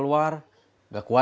tidak ada apa apa